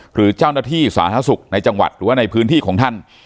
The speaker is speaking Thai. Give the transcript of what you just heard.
หรือเจ้าหน้าที่สาธารณสุขในจังหวัดหรือว่าในพื้นที่ของท่าน